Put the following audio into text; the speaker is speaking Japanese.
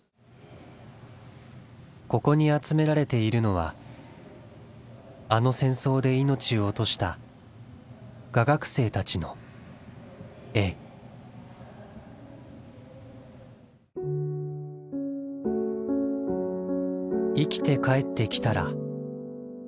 ここに集められているのはあの戦争で命を落とした画学生たちの絵「生きて帰ってきたら」